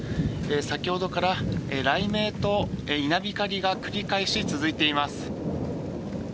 先ほどから、雷鳴と稲光が繰り返し続いています。